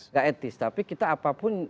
gak etis tapi kita apapun